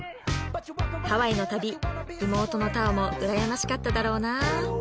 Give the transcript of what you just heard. ハワイの旅妹の太鳳も羨ましかっただろうなあ